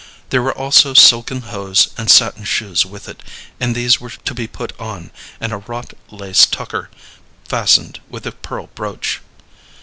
There were also silken hose and satin shoes with it, and these were to be put on, and a wrought lace tucker fastened with a pearl brooch.